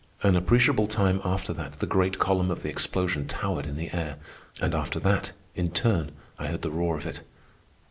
An appreciable time after that the great column of the explosion towered in the air, and after that, in turn, I heard the roar of it.